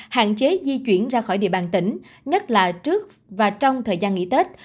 hạn chế di chuyển ra khỏi địa bàn tỉnh nhất là trước và trong thời gian nghỉ tết